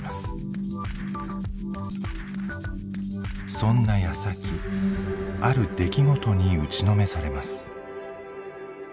そんなやさきある出来事に打ちのめされます。